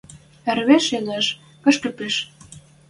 Ӹрвӹж ядеш: «Кышкы пиш